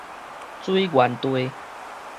水源地